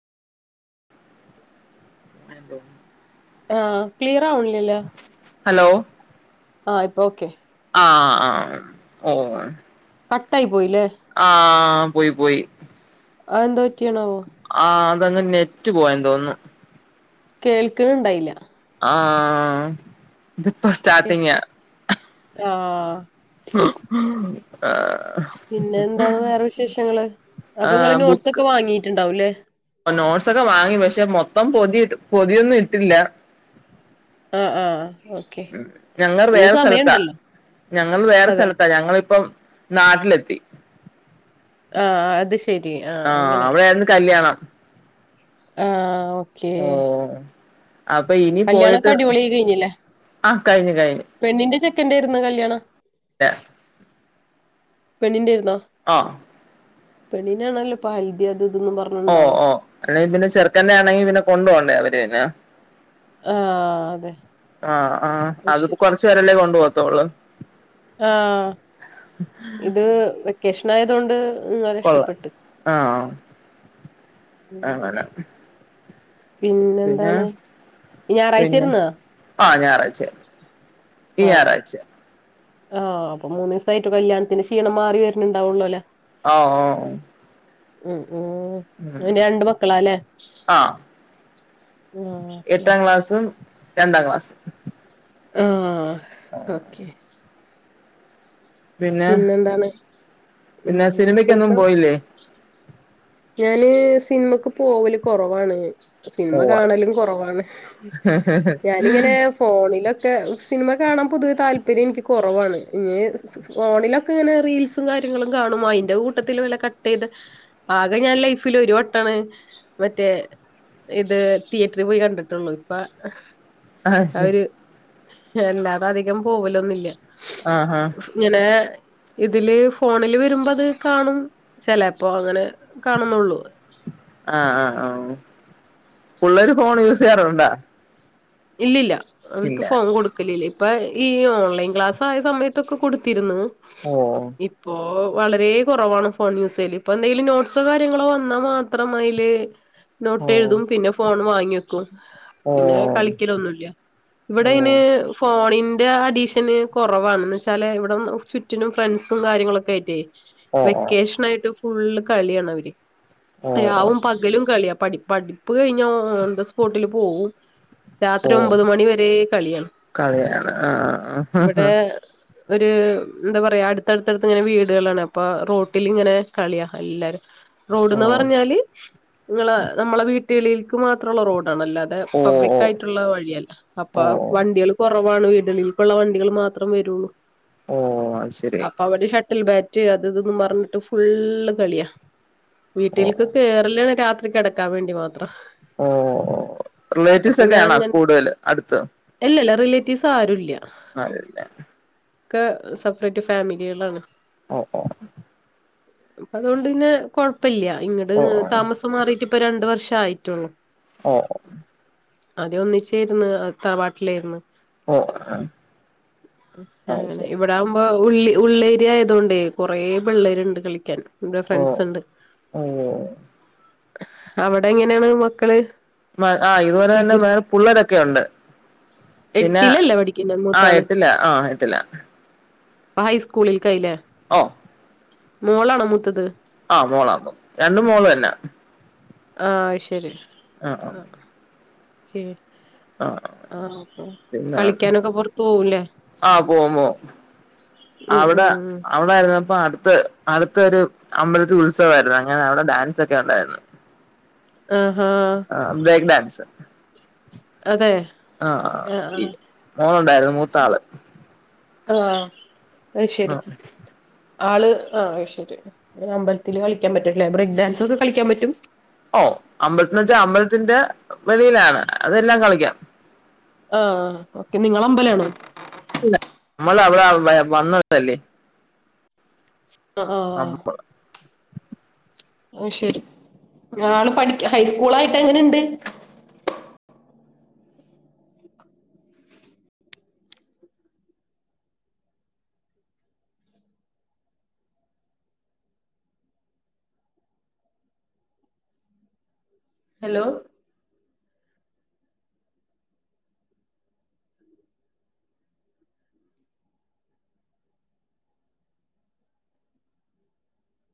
ആ ക്ലിയർ ആവണില്ലേല്ല ഹലോ ആ ഇപ്പൊ ഓക്കെ ആഹ് ആഹ് ഓ കട്ടായി പോയില്ലേ ആ പോയി പോയി അതെന്ത ആഹ് അങ്ങ് നെറ്റ് പോയെന്ന് തോന്നുന്നു കേൾക്കണ്ണ്ടായില്ല ആഹ് ഇതിപ്പ സ്റ്റാട്ടിങ്ങാ ആഹ ആഹ പിന്നെ എന്താണ് [unintelligible] വേറെ വിശേഷങ്ങള് [unintelligible] ആ അപ്പൊ നിങ്ങള് നോട്ട്സ് ബുക്ക് ഒക്കെ വാങ്ങിയിട്ടുണ്ടാവൂല്ലേ നോട്ട്സൊക്കെ വാങ്ങി പക്ഷെ ഇപ്പം പൊതി പൊതിയൊന്നും ഇട്ടില്ല ആ ആ ഞങ്ങൾ വേറെ സ്ഥലത്താ ഞങ്ങൾ വേറെ അതെ സ്ഥലത്താ ഞങ്ങളിപ്പം നാട്ടിലെത്തി ആ അത് ശരി ആഹ അവിടൊയിരുന്നു കല്യാണം ആഹ ഓക്കേ ഓ അപ്പൊ ഇനി കല്യാണൊക്കെ പോയിട്ട് അടിപൊളി കഴിഞ്ഞില്ലേ ആഹ് കഴിഞ്ഞു കഴിഞ്ഞു പെണ്ണിന്റെ ചെക്കന്റെയായിരുന്നു കല്യാണം പെണ്ണിന്റെ ആ ആഹ പെണിനാണല്ലോ ഹൽധി ഓ ഓ അല്ലെങ്കി പിന്നെ ചെറുക്കന്റെ ആണെങ്കി പിന്നെ കൊണ്ടു പോണ്ടേ അവര് ആഹ് അതെ ആ ആ അത് അതിപ്പോ കൊറച്ചപേരെല്ലേ കൊണ്ടു പോ ത്തോള് ആ ഇത് വെക്കേഷൻ ആ അതുകൊണ്ട് കൊള്ള ആഹ ഉം അങ്ങനെ പിന്നെ പിന്നെന്താണ് പിന്നെ ഞായറാഴ്ചയിരുന്നാ ആ ഞായറാഴ്ച്ചയാ ഈ ഞാറാഴ്ച്ച ആ [unintelligible] അപ്പൊ മൂന്ന് ദിവസായിട്ട് കല്യാണത്തിന് ക്ഷീണം മാറി വരണുണ്ടാവുള്ളൂ അല്ലേ ആ ഉം ഉം അതിന് രണ്ട് മക്കളാല്ലേ ആഹ് ആ ഓ എട്ടാം ക്ലാസ്സും രണ്ടാം ക്ലാസും ആ ഓക്കെ പിന്നെ പിന്നെന്താണ് ഉം പിന്നെ സിനിമയ്ക്കൊന്നും സുഖം പോയില്ലേ ഞാന് സിനിമക്ക് പോവല് കൊറവാണ് ഓ സിനിമ കാണലും കുറവാണ് ഞാനിങ്ങനെ ഫോണിലൊക്കെ സിനിമ കാണാൻ പൊതുവെ താല്പര്യം എനിക്ക് കുറവാണ് ഇ ഫോണിലൊക്കെ ഇങ്ങനെ റീൽസും കാര്യങ്ങളും കാണും അതിന്റെ കൂട്ടത്തില് വില കട്ട് ചെയ്ത് ആകെ ഞാൻ ലൈഫിൽ ഒരു വട്ടമാണ് മറ്റേ ഇത് തിയറ്ററിൽ പോയി കണ്ടിട്ടുള്ളു ഇപ്പ ആ ശരി അല്ലാതെ അധികം പോവലൊന്നുല്യ ആഹ് ആഹ് ഇങ്ങനെ ഇതില് ഫോണില് വരുമ്പോ അത് കാണും ചെലപ്പോ അങ്ങനെ കാണുന്നുള്ളൂ ആ ആ ആ പുള്ളൊരു ഫോൺ യൂസ് ചെയ്യാറുണ്ടാ ഇല്ലില്ല അവർക്ക് ഇല്ല ഫോൺ കൊടുക്കലല്ലേ ഇപ്പൊ ഈ ഓൺലൈൻ ക്ലാസ് ആയ സമയത്തൊക്കെ കൊടുത്തിരുന്ന് ഓ ഇപ്പൊ വളരെ കുറവാണ് ഫോൺ യൂസൽ ഇപ്പൊ എന്തെങ്കിലും നോട്സോ കാര്യങ്ങളോ വന്നാ മാത്രം അയില് നോട്ട് ഓ എഴുതും പിന്നെ ഫോൺ വാങ്ങി ങ്ങിവയ്ക്കും ഓ ഒന്നുല്ല ഇവിടെ ഓ അയിന് ഫോൺ ഫോണിന്റെ അഡീഷന് കുറവാണന്ന് വച്ചാല് ഇവിട ചുറ്റിനും ഫ്രണ്ട്സും കാര്യങ്ങളൊക്കെ ആയിട്ടേ ഓ ഓ വെക്കേഷൻ ആയിട്ട് ഫുള്ള് കളിയാണ് അവര് ഓ രാവും പകലും കളിയ പടി പഠിപ്പ് കഴിഞ്ഞ ഓൺ ദ സ്പോട്ടില് പോവും ഓ ഓ രാത്രി ഒമ്പത് മണി വരെ കളിയാ കളിയാണ് ആഹ് ഇവിടെ ഒരു എന്താ പറയാ അടുത്തടുത്തടുത്ത് ഇങ്ങനെ വീടുകളാണ് അപ്പൊ റോട്ടിൽങ്ങനെ കളിയാ എല്ലാരും ഓ റോഡ്ന്ന് പറഞ്ഞാല് നിങ്ങള് നമ്മളെ വീ [unintelligible] മാത്രള്ള റോഡ് ആണല്ലാതെ ഓ പബ്ലിക് ക്കായിട്ടുള്ള വഴിയല്ല ഓ അപ്പൊ ഓ വണ്ടിയള് കുറ ആണ് വീടുകളിൽ ഇപ്പ ഉള്ള വണ്ടികൾ മാത്രം വരുള്ളൂ ഓ അ ശരി അ ബാറ്റ് അതതൊന്നന്ന് പറഞ്ഞിട്ട് ഫുള്ള് കളിയാ ഓ വീട്ടിൽക്ക് കേറല രാത് കിടക്കാൻ വേണ്ടി മാത്ര ഓ റിലേറ്റീവ്സ് പിന്നെ ഒക്കെയാണ അങ്ങനെ കൂടുതൽ അടുത്ത് അല്ലല്ല റിലേറ്റീവ്സ് ആരുല്യ അതേല്ലേ ഒക്കെ സെപ്പറേറ്റ് ഫാമിലികളാണ് ഓ ഓ അപ്പൊ അതുകൊണ്ട്ന്നെ കൊഴ പ്പല്യ ഇങ്ങട് താമസം മാറിയിട്ട് ഇപ്പ രണ്ട് വർ ഷായിട്ടൊള്ളൂ ഓ ഓ അന്യം ഒന്നിച്ചേര്ന്നു തറവാട്ടിലായിരുന്നു ഓ ഓ അത് അങ്ങനെ ശരി ഇവിടെ ആകുമ്പോ ഉള്ളി ഉള്ളേരിയ ആയതൊണ്ടേ കുറേ പിള്ളേരിണ്ട് കളിക്കാൻ ഇവിടെ ഓ ഫ്രണ്ട്സ് ഉണ്ട് ഓ അവിടെ എങ്ങനേണ് മക്കള് മ ആഹ് ഇതുപോലെ തന്നെ വികൃ വേറെ പുള്ളേരൊക്കെ ഉണ്ട് പിന്നെ എട്ടിലല്ലേ പഠിക്കുന്നെ ആ മൂത്താള് എട്ടില ആഹ് എട്ടിലാ അപ്പ ഹൈസ്കൂളിൽ കായില്ലേ ഒ മോളാണോ മൂത്തത് ആ മോളാ രണ്ടും മോള് തന്നാ ആ ശരി ആഹ് ആ ശ [unintelligible] ആ ആ പിന്നെ അപ്പംകളിക്കാനൊക്കെ പുറത്ത് പോവൂല്ലേ ആ പോവും പോവും ഉം അവിടെ ഉം അവിടായിരുന്നപ്പ അട്ത്ത് അടുത്തൊരു അമ്പലത്തിൽ ഉത്സവായിരുന്നു അങ്ങനെ അവിടെ ഡാൻസ് ഒക്കെ ഉണ്ടായിരുന്നു ആഹാ ആ ബ്രേക്ക് ഡാൻസ് [inaudible] അതെ ആഹ് മോളുണ്ടായിരുന്നു മൂ ത്താള് ആ അയ് ശരി ആള് അയ്ശരി അമ്പലത്തില് കളിക്കാൻ പറ്റുംല്ലേ ബ്രേക്ക് ഡാൻസ് ഒക്കെ കളിക്കാൻ പറ്റും ഓ അമ്പലത്തിൽ വെച്ചാ അമ്പൽത്തിന്റെ വെളിയിലാണ് അതെല്ലാം കളിക്കാം ആ നിക്കെ നിങ്ങള അമ്പലാണോ നമ്മള അവിടെ വന്നതല്ലേ ആ ആ ഓ ശരി ആള് പഠിക്കാ ഹൈസ്കൂളായിട്ട് എങ്ങനെുണ്ട് ഹലോ